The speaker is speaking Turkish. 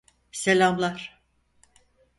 Selamlar.